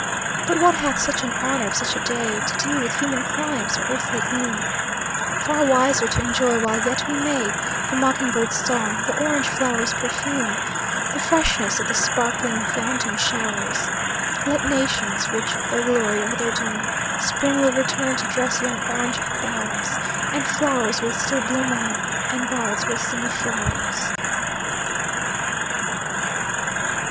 "But what hath such an hour of such a day To do with human crimes, or earthly gloom? Far wiser to enjoy while yet we may, The mock bird's song, the orange flower's perfume, The freshness that the sparkling fountain showers. Let nations reach their glory or their doom, Spring will return to dress yon orange bowers, And flowers will still bloom on, and bards will sing of flowers."